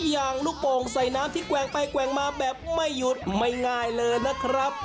อย่างลูกโป่งใส่น้ำที่แกว่งไปแกว่งมาแบบไม่หยุดไม่ง่ายเลยนะครับ